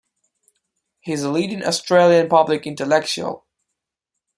He is a leading Australian public intellectual.